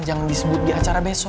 jangan disebut di acara besok